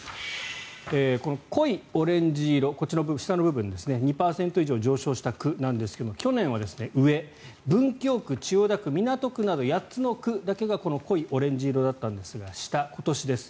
濃いオレンジ色、下の部分は２％以上上昇した区なんですが去年は上文京区、千代田区、港区など８つの区だけが濃いオレンジ色だったんですが下、今年です。